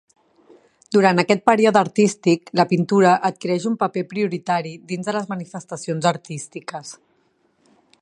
Durant aquest període artístic la pintura adquireix un paper prioritari dins de les manifestacions artístiques.